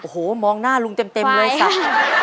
โอ้โหมองหน้าลุงเต็มเลยสัก